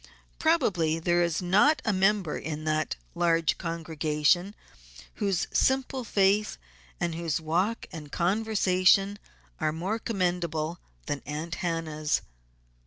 Probably there is not a member in that large congregation whose simple faith and whose walk and conversation are more commendable than Aunt Hannah's.